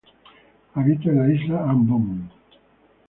Habita en la isla Ambon.